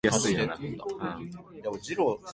その日は林の中も、何かがおかしかった